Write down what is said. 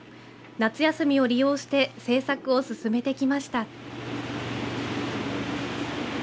夏休みを利用して製作を進めてきました。